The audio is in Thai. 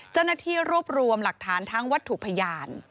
เจ้าหน้าที่รวบรวมหลักฐานทั้งวัตถุพยาน